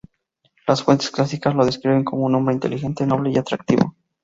Las fuentes clásicas lo describen como un hombre inteligente, noble y atractivo.